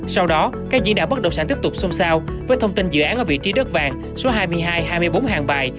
sau đó các diễn đạo bất động sản tiếp tục xông xao với thông tin dự án ở vị trí đất vàng số hai mươi hai hai mươi bốn hàng bài